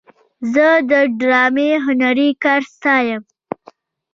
زه د ډرامې هنري کار ستایم.